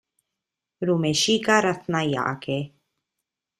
Rumeshika Rathnayake